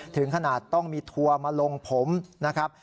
ถึงขนาดต้องมีทัวร์มาลงผมนะครับ